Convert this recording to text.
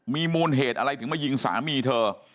มีมูลเหตุอะไรถึงมายิงสามีเธอ